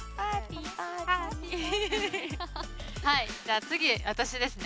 じゃあ次私ですね